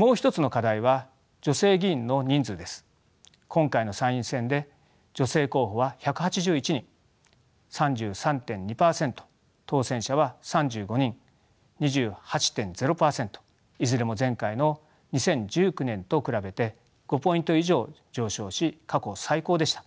今回の参院選で女性候補は１８１人３３．２％当選者は３５人２８．０％いずれも前回の２０１９年と比べて５ポイント以上上昇し過去最高でした。